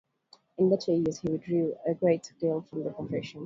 In later years he withdrew a great deal from the profession.